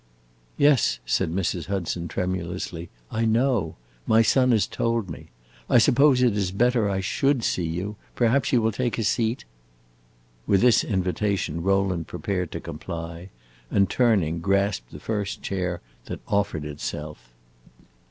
"Yes," said Mrs. Hudson tremulously; "I know my son has told me. I suppose it is better I should see you. Perhaps you will take a seat." With this invitation Rowland prepared to comply, and, turning, grasped the first chair that offered itself.